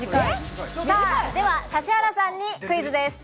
では指原さんにクイズです。